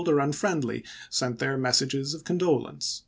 or unfriendly sent their messages of condolence.